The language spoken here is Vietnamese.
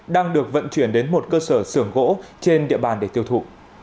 đang được vận chuyển đến một cơ sở xưởng gỗ trên địa bàn để tiêu thụ